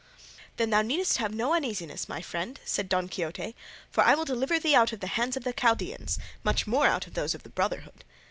"Then thou needst have no uneasiness, my friend," said Don Quixote, "for I will deliver thee out of the hands of the Chaldeans, much more out of those of the Brotherhood.